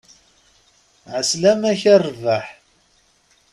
Ɛeslama-k, a rrbeḥ!